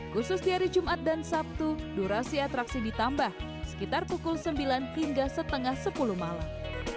khusus di hari jumat dan sabtu durasi atraksi ditambah sekitar pukul sembilan hingga setengah sepuluh malam